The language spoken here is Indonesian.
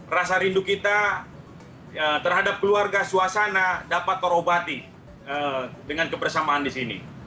rasa rindu kita terhadap keluarga suasana dapat terobati dengan kebersamaan di sini